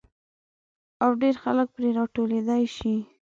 او ډېر خلک پرې را ټولېدای شي.